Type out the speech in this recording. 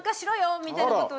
みたいなことを。